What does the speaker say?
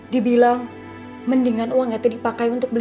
dibilang mendingan uangnya itu dipakai untuk beli